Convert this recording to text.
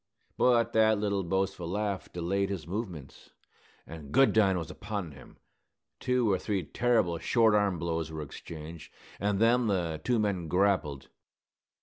But that little boastful laugh delayed his movements, and Goodine was upon him. Two or three terrible short arm blows were exchanged, and then the two men grappled.